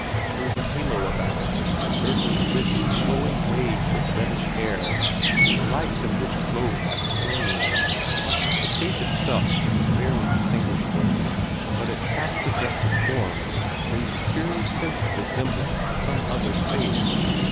There was a halo about it, engirdling rich, flowing waves of reddish hair, the lights in which glowed like flame. The face itself was barely distinguishable, but its half suggested form raised a curious sense of resemblance to some other face.